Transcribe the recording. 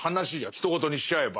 ひと事にしちゃえば。